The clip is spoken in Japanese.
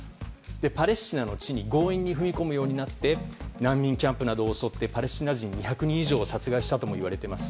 パレスチナの地に強引に踏み込むようになって難民キャンプなどを襲ってパレスチナ人２００人以上を殺害したともいわれています。